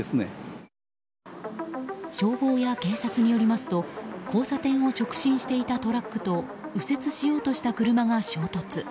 消防や警察によりますと交差点を直進していたトラックと右折しようとした車が衝突。